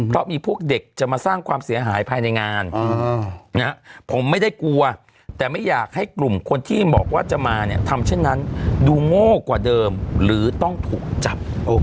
เพราะมีพวกเด็กจะมาสร้างความเสียหายภายในงานผมไม่ได้กลัวแต่ไม่อยากให้กลุ่มคนที่บอกว่าจะมาเนี่ยทำเช่นนั้นดูโง่กว่าเดิมหรือต้องถูกจับ